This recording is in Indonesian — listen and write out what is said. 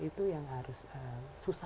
itu yang harus susah